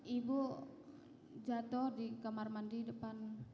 ibu jatuh di kamar mandi depan